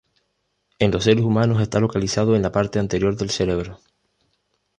En los seres humanos está localizado en la parte anterior del cerebro.